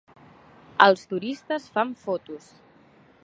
Els turistes fan fotos.